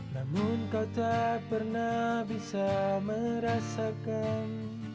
namun kau tak pernah bisa merasakan